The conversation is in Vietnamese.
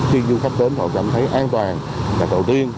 khi du khách đến họ cảm thấy an toàn và đầu tiên